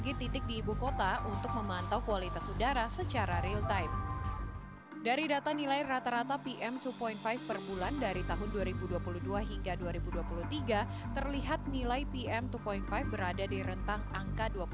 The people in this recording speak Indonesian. kita akan kembali sesaat lagi dalam insight with ac angka